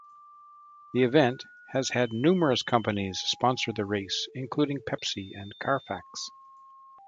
The event has had numerous companies sponsor the race, including Pepsi and Carfax.